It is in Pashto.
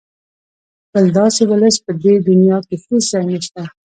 بل داسې ولس په دې دونیا کې هېڅ ځای نشته.